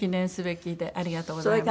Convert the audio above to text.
ありがとうございます。